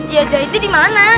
ya jahitnya di mana